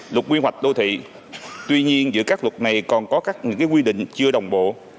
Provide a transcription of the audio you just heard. luật quy hoạch đô thị tuy nhiên giữa các luật này còn có các quy định chưa đồng bộ